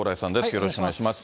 よろしくお願いします。